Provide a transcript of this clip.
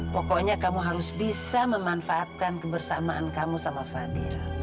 pokoknya kamu harus bisa memanfaatkan kebersamaan kamu sama fadira